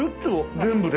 全部で？